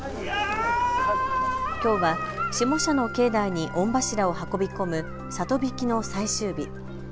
きょうは下社の境内に御柱を運び込む里曳きの最終日。